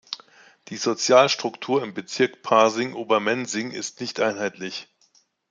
Die Sozialstruktur im Bezirk Pasing-Obermenzing ist nicht einheitlich.